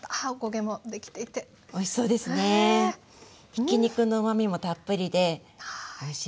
ひき肉のうまみもたっぷりでおいしいんですよ。